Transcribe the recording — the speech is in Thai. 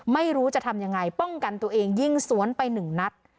ไม่รู้จะทำยังไงป้องกันตัวเองยิงสวนไปหนึ่งนัด